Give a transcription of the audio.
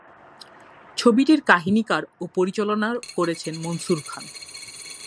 ছবিটির কাহিনীকার ও পরিচালনা করেছেন মনসুর খান।